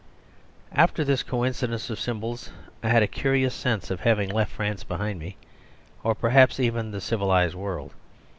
..... After this coincidence of symbols I had a curious sense of having left France behind me, or, perhaps, even the civilised world.